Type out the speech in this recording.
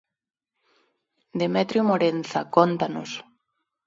Demetrio Morenza, cóntanos...